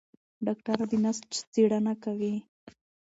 ډاکټره د نسج څېړنه کوي.